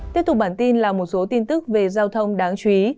tiếp tục bản tin là một số tin tức về giao thông đáng chú ý